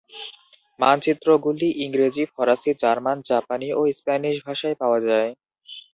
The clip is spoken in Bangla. মানচিত্রগুলি ইংরেজি, ফরাসি, জার্মান, জাপানি ও স্প্যানিশ ভাষায় পাওয়া যায়।